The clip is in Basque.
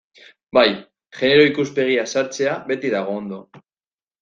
Bai, genero ikuspegia sartzea beti dago ondo.